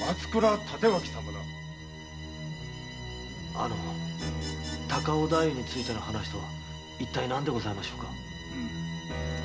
あの高尾太夫についての話とは一体何でございましょうか？